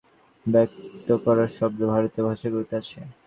প্রেমের এই পারস্পরিক নির্ভরতাকে ব্যক্ত করার শব্দ ভারতীয় ভাষাগুলিতে আছে।